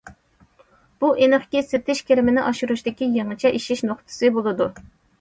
بۇ ئېنىقكى سېتىش كىرىمىنى ئاشۇرۇشتىكى يېڭىچە ئېشىش نۇقتىسى بولىدۇ.